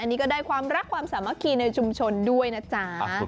อันนี้ก็ได้ความรักความสามัคคีในชุมชนด้วยนะจ๊ะ